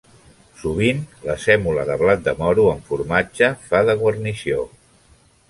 Sovint, la sèmola de blat de moro amb formatge fa de guarnició.